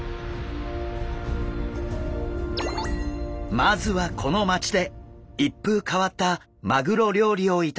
まずはこの町で一風変わったマグロ料理を頂きます。